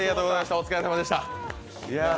お疲れさまでした。